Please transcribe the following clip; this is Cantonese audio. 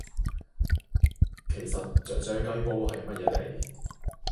其實啫啫雞煲係乜嘢嚟